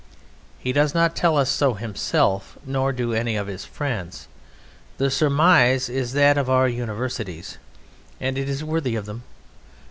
He does not tell us so himself nor do any of his friends. The surmise is that of our Universities, and it is worthy of them.